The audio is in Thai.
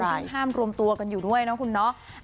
เขาค่อยห้ามรวมตัวกันอยู่ด้วยนะคุณน้อง